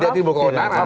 tidak timbul keonaran